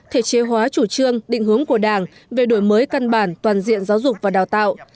thể chế hóa chủ trương định hướng của đảng về đổi mới căn bản toàn diện giáo dục và đào tạo